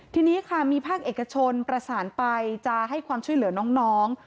ทีนี้ค่ะมีภาคเอกชนประสานไปจะให้ความช่วยเหลือน้อง